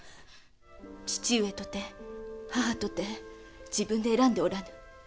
父上とて母とて自分で選んでおらぬ。